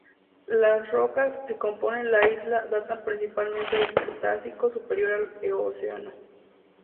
Las rocas que componen la isla datan principalmente del Cretácico Superior al Eoceno.